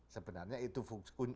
sebenarnya itu kunci dan kunci